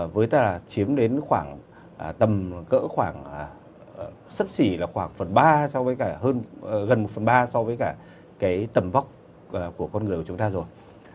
với ta chiếm đến khoảng tầm cỡ khoảng sấp xỉ là khoảng phần ba gần một phần ba so với cả tầm vóc của con người của chúng ta rồi